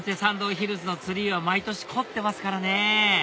ヒルズのツリーは毎年凝ってますからね